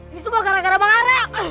ini semua gara gara bang arak